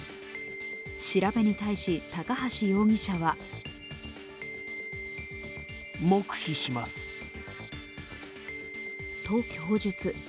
調べに対し高橋容疑者はと供述。